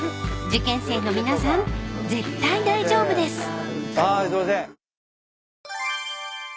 ［受験生の皆さん絶対大丈夫です］